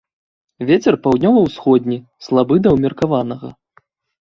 Вецер паўднёва-ўсходні слабы да ўмеркаванага.